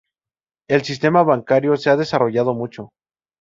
El sistema bancario se ha desarrollado mucho.